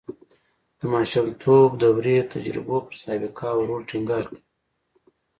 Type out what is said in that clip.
د ماشومتوب دورې تجربو پر سابقه او رول ټینګار کوي